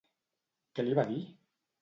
Què li va dir?